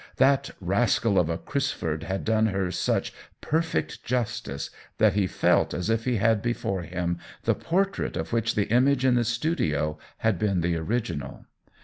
That rascal of a Crisford had done her such perfect jus tice that he felt as if he had before him the portrait of which the image in the studio had been the original.